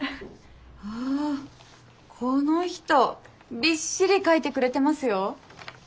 あこの人びっしり書いてくれてますよ。